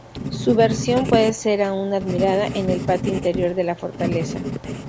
Su versión puede ser aún admirada en el patio interior de la fortaleza.